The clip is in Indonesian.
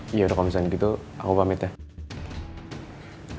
yaudah kalau misalnya gitu aku pamit ya